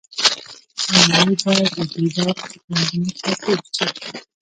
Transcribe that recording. لومړی باید له دې ډول عقلانیته تېر شي.